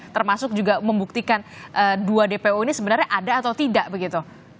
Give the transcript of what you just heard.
termasuk juga membuktikan dua dpo ini sebenarnya ada atau tidak begitu